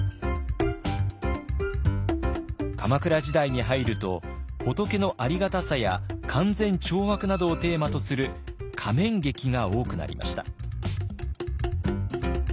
鎌倉時代に入ると仏のありがたさや勧善懲悪などをテーマとする仮面劇が多くなりました。